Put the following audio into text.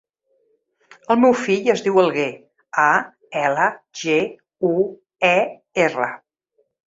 El meu fill es diu Alguer: a, ela, ge, u, e, erra.